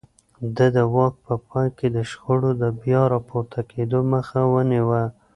ده د واک په پای کې د شخړو د بيا راپورته کېدو مخه ونيوه.